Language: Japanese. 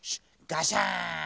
ガシャーン。